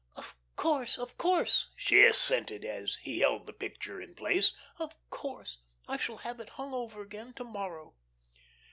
"Of course, of course," she assented, as he held the picture in place. "Of course. I shall have it hung over again to morrow."